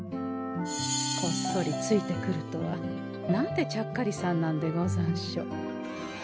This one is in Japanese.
こっそりついてくるとはなんてちゃっかりさんなんでござんしょう。